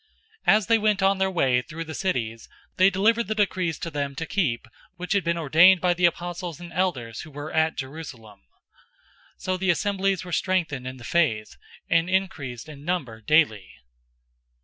016:004 As they went on their way through the cities, they delivered the decrees to them to keep which had been ordained by the apostles and elders who were at Jerusalem. 016:005 So the assemblies were strengthened in the faith, and increased in number daily.